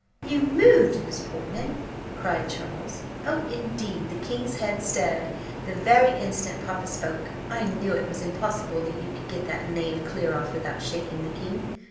"You moved, Miss Portman!" cried Charles: "Oh, indeed! the king's head stirred, the very instant papa spoke. I knew it was impossible that you could get that knave clear off without shaking the king.